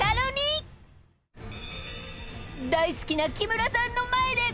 ［大好きな木村さんの前でカカロニは］